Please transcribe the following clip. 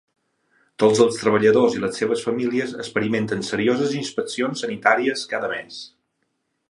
Tots els treballadors i les seves famílies experimenten serioses inspeccions sanitàries cada mes.